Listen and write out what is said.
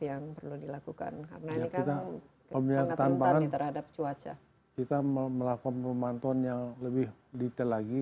yang perlu dilakukan karena terhadap cuaca kita melakukan pemantauan yang lebih detail lagi